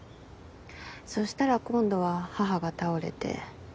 そしたら今度は母が倒れて。